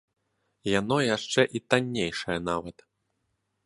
Яно яшчэ і таннейшае нават.